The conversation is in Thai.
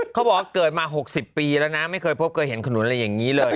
เขาบอกว่าเกิดมา๖๐ปีแล้วนะไม่เคยพบเคยเห็นขนุนอะไรอย่างนี้เลย